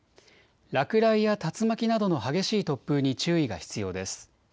落雷や竜巻などの激しい突風に注意が必要です。